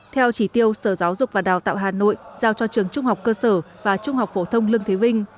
theo chỉ tiêu sở giáo dục và đào tạo hà nội giao cho trường trung học cơ sở và trung học phổ thông lương thế vinh